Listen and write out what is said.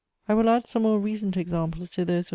I will add some more recent examples to those of M.